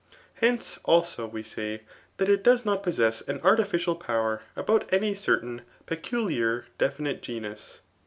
Henoe, .abd^ ire say, that it does not poastaa ml artificbl power abobt any certain peculiar definite gnus.